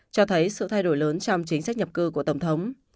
cho thấy sự thay đổi lớn trong chính sách nhập cư của tổng thống